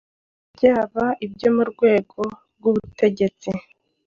byaba ibyo mu rwego rw’ubutegetsi